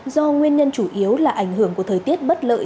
do nguyên nhân chủ yếu là ảnh hưởng của thời tiết bất lợi